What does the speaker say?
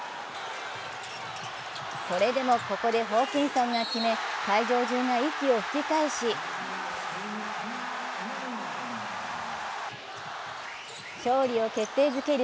それでもここでホーキンソンが決め会場中が息を吹き返し勝利を決定づける